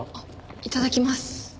いただきます。